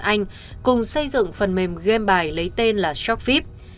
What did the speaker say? bùi nhật anh cùng xây dựng phần mềm game bài lấy tên là shockvip